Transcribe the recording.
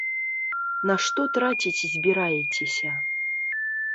На што траціць збіраецеся?